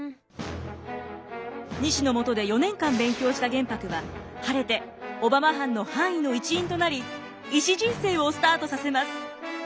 西のもとで４年間勉強した玄白は晴れて小浜藩の藩医の一員となり医師人生をスタートさせます。